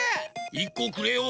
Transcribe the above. １こくれよ。